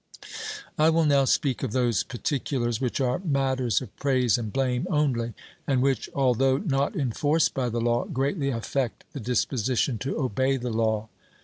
I will now speak of those particulars which are matters of praise and blame only, and which, although not enforced by the law, greatly affect the disposition to obey the law.